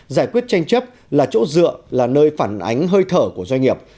giải quyết tranh chấp là chỗ dựa là nơi phản ánh hơi thở của doanh nghiệp